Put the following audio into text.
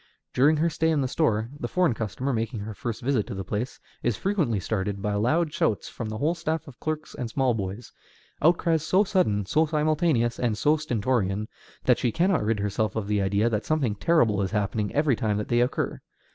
During her stay in the store, the foreign customer, making her first visit to the place, is frequently startled by loud shouts from the whole staff of clerks and small boys, outcries so sudden, so simultaneous, and so stentorian, that she cannot rid herself of the idea that something terrible is happening every time that they occur.